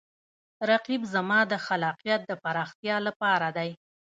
رقیب زما د خلاقیت د پراختیا لپاره دی